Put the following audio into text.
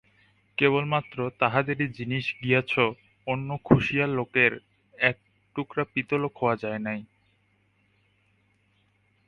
কেবলমাত্র তাহদেরই জিনিস গিয়াছো-অন্য খুঁশিয়ার লোকের এক টুকরা পিতলও খোয়া যায় নাই।